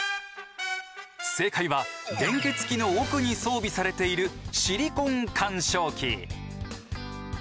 正解は連結器の奥に装備されているシリコン緩衝器。